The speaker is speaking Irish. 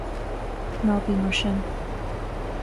Ná bí mar sin.